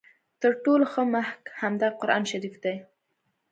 تر ټولو ښه محک همدغه قرآن شریف دی.